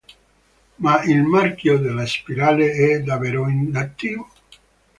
Ma il Marchio della Spirale è davvero inattivo?